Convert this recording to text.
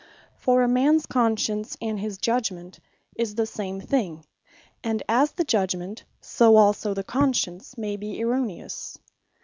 For a mans Conscience, and his Judgement is the same thing; and as the Judgement, so also the Conscience may be erroneous.